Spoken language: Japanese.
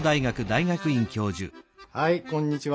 はいこんにちは。